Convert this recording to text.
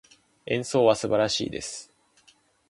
演奏は素晴らしいです。